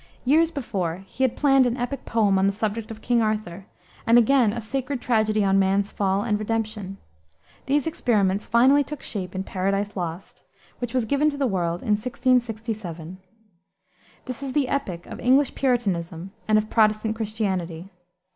Years before he had planned an epic poem on the subject of King Arthur, and again a sacred tragedy on man's fall and redemption. These experiments finally took shape in Paradise Lost, which was given to the world in 1667. This is the epic of English Puritanism and of Protestant Christianity.